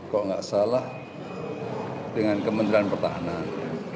kok nggak salah dengan kementerian pertahanan